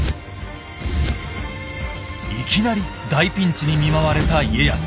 いきなり大ピンチに見舞われた家康。